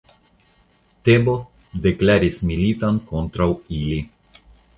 Tebo deklaris militon kontraŭ ili.